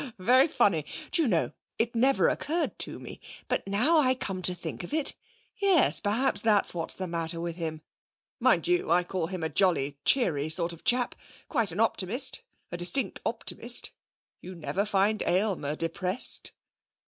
Ha ha! Very funny! Do you know, it never occurred to me! But now I come to think of it yes, perhaps that's what's the matter with him. Mind you, I call him a jolly, cheery sort of chap. Quite an optimist a distinct optimist. You never find Aylmer depressed.'